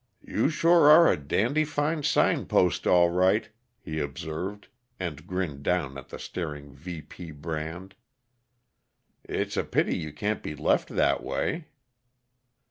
"You sure are a dandy fine sign post, all right," he observed, and grinned down at the staring VP brand. "It's a pity you can't be left that way."